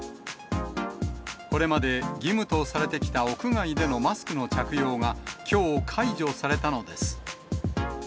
これまで義務とされてきた屋外でのマスクの着用が、きょう、解除されたのです。